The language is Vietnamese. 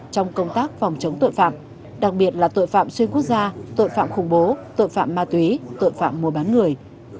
trong công tác phòng chống tội phạm đặc biệt là tội phạm xuyên quốc gia tội phạm khủng bố tội phạm ma túy tội phạm mua bán người